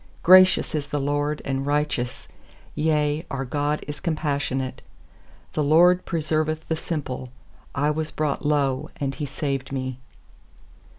7 6Gracious is the LORD, and righteous Yea, our God is compassionate 6The LORD preserveth the simple; I was brought low, and He saved me.